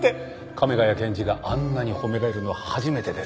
亀ヶ谷検事があんなに褒められるのは初めてです。